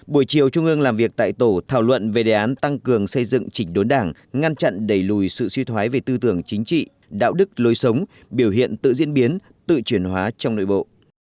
buổi chiều trung ương làm việc tại tổ thảo luận về đề án tăng cường xây dựng chỉnh đốn đảng ngăn chặn đẩy lùi sự suy thoái về tư tưởng chính trị đạo đức lối sống biểu hiện tự diễn biến tự chuyển hóa trong nội bộ